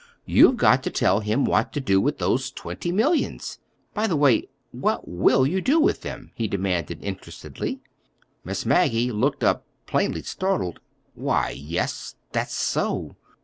You've got to tell him what to do with those twenty millions. By the way, what will you do with them?" he demanded interestedly. Miss Maggie looked up, plainly startled. "Why, yes, that's so.